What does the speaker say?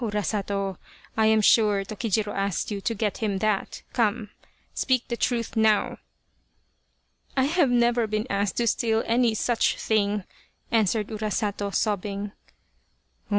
Urasato, I am sure Tokijiro asked you to get him that come speak the truth now ?"" I have never been asked to steal any such thing," answered Urasato, sobbing.